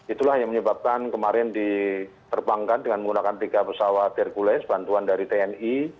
itulah yang menyebabkan kemarin diterbangkan dengan menggunakan tiga pesawat hercules bantuan dari tni